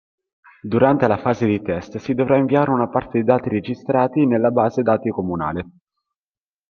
Durante la fase di test, si dovrà inviare una parte dei dati registrati nella base dati comunale.